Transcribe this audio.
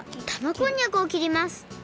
こんにゃくをきります